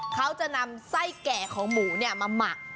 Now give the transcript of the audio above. เขาจะนำไส้แก่ของหมูมาหมัก